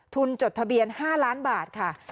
จดทะเบียน๕ล้านบาทค่ะ